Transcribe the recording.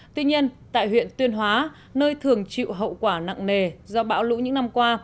tuy nhiên tại huyện tuyên hóa nơi thường chịu hậu quả nặng nề do bão lũ những năm qua